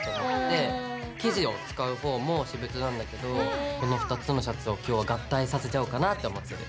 生地を使う方も私物なんだけどこの２つのシャツを今日は合体させちゃおうかなって思ってる。